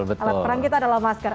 alat perang kita adalah masker